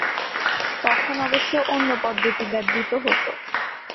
তখন অবশ্য অন্য পদ্ধতি ব্যবহৃত হত।